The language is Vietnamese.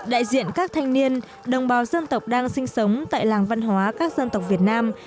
đại diện các thanh niên đồng bào dân tộc đang sinh sống tại làng văn hóa các dân tộc việt nam